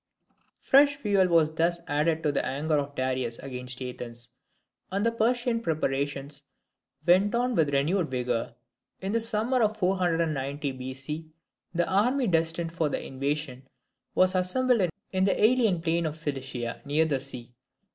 Fresh fuel was thus added to the anger of Darius against Athens, and the Persian preparations went on with renewed vigour. In the summer of 490 B.C., the army destined for the invasion was assembled in the Aleian plain of Cilicia, near the sea.